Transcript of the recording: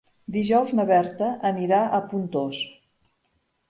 Dijous na Berta anirà a Pontós.